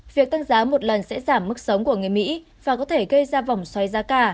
việc tăng giá một lần sẽ giảm mức sống của người mỹ và có thể gây ra vòng xoáy giá cả